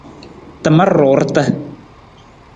Tamar ruurta.